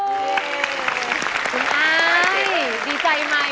คุณไอดีใจไหม